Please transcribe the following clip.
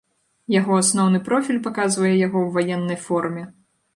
Яго асноўны профіль паказвае яго ў ваеннай форме.